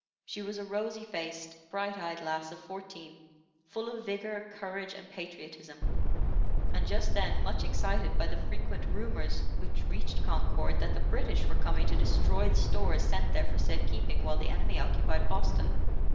She was a rosy faced, bright eyed lass of fourteen, full of vigor, courage, and patriotism, and just then much excited by the frequent rumors which reached Concord that the British were coming to destroy the stores sent there for safe keeping while the enemy occupied Boston.